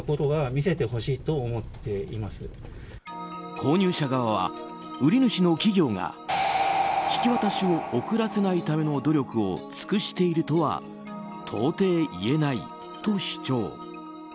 購入者側は、売主の企業が引き渡しを遅らせないための努力を尽くしているとは到底言えないと主張。